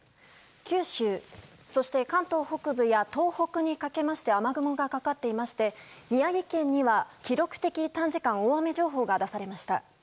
九州、そして関東北部や東北にかけまして雨雲がかかっていまして宮城県には記録的短時間大雨情報が出されました。